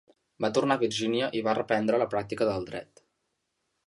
Va tornar a Virgínia i va reprendre la pràctica del dret.